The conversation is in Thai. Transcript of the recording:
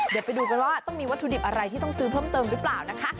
เดี๋ยวไปดูกันว่าต้องมีวัตถุดิบอะไรที่ต้องซื้อเพิ่มเติมหรือเปล่านะคะ